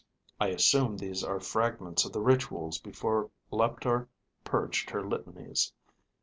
I assume these are fragments of the rituals before Leptar purged her litanies.